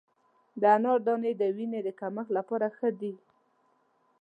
د انار دانې د وینې د کمښت لپاره ښه دي.